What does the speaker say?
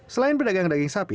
selain pedagang daging sapi